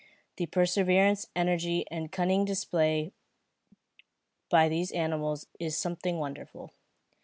The perseverance, energy, and cunning displayed by these animals is something wonderful.